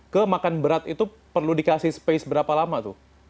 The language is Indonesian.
ke makan berat itu perlu dikasih space berapa lama tuh